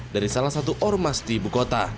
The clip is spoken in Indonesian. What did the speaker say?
dari salah satu ormas di ibu kota